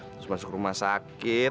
terus masuk rumah sakit